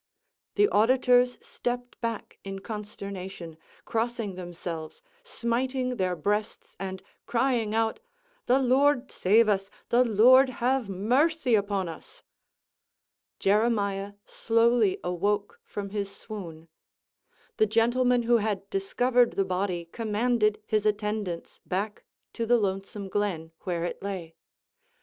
The auditors stept back in consternation, crossing themselves, smiting their breasts, and crying out, "The Lord save us! The Lord have mercy upon us!" Jeremiah slowly awoke from his swoon. The gentleman who had discovered the body commanded his attendants back to the lonesome glen, where it lay.